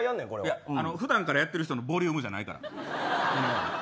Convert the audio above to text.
普段からやってる人のボリュームやないから。